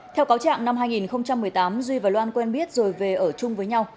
theo cáo trạng năm hai nghìn một mươi tám duy và loan quen biết rồi về ở chung với nhau